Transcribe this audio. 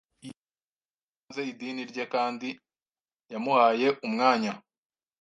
Iyo Iteka ryanze idini ryeKandi yamuhaye umwanya